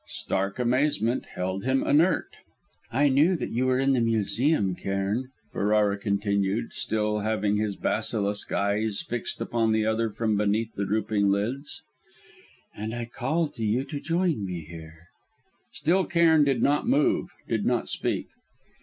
Stark amazement held him inert. "I knew that you were in the Museum, Cairn," Ferrara continued, still having his basilisk eyes fixed upon the other from beneath the drooping lids, "and I called to you to join me here." Still Cairn did not move, did not speak.